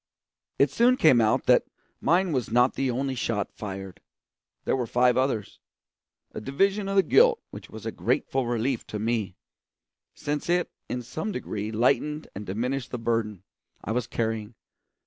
It soon came out that mine was not the only shot fired; there were five others a division of the guilt which was a grateful relief to me, since it in some degree lightened and diminished the burden I was carrying.